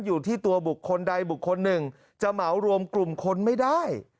อยู่ที่ตัวบุคคลใดบุคคลหนึ่งจะเหมารวมกลุ่มคนไม่ได้